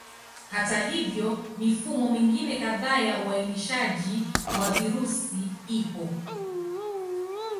Hata hivyo, mifumo mingine kadhaa ya uainishaji wa virusi ipo.